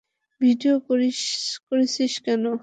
Video করছিস কেন?